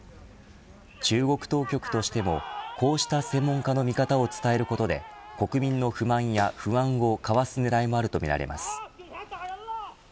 中国当局としてもこうした専門家の見方を伝えることで国民の不満や不安をかわす狙いもあるとみられます。